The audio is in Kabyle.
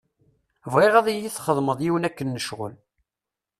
Bɣiɣ ad iyi-txedmeḍ yiwen akken n ccɣel.